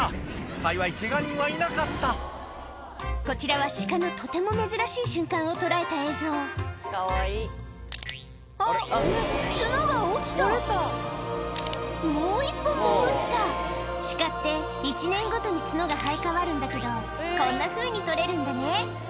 幸いケガ人はいなかったこちらはシカのとても珍しい瞬間を捉えた映像あっ角が落ちたもう１本も落ちたシカって１年ごとに角が生え替わるんだけどこんなふうに取れるんだね